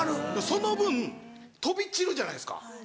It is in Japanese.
その分飛び散るじゃないですか。